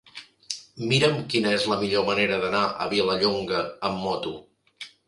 Mira'm quina és la millor manera d'anar a Vilallonga amb moto.